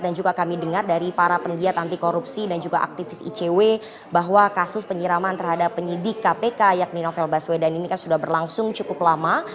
dan juga kami dengar dari para penggiat anti korupsi dan juga aktivis icw bahwa kasus penyiraman terhadap penyidik kpk yakni novel baswedan ini kan sudah berlangsung cukup lama